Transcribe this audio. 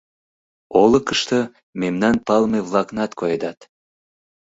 Олыкышто мемнан палыме-влакнат коедат.